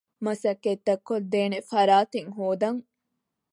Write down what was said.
މަސައްކަތްތައް ކޮށްދޭނެ ފަރާތެއް ހޯދަން